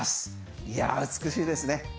いや、美しいですね。